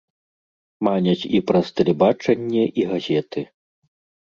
Маняць і праз тэлебачанне і газеты.